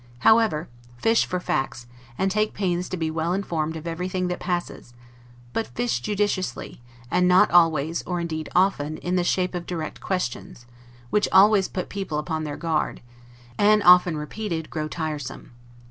However, fish for facts, and take pains to be well informed of everything that passes; but fish judiciously, and not always, nor indeed often, in the shape of direct questions, which always put people upon their guard, and, often repeated, grow tiresome.